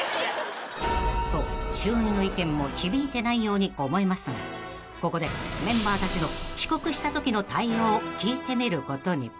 ［と周囲の意見も響いてないように思えますがここでメンバーたちの遅刻したときの対応を聞いてみることに］